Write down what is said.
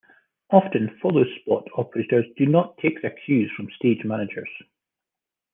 Often followspot operators do not take their cues from stage managers.